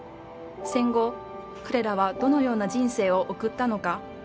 戦後彼らはどのような人生を送ったのか